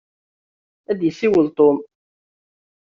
Ad d-yessiwel Tom.